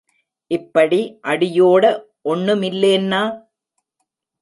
இப்படி அடியோட ஒண்னுமில்லேன்னா?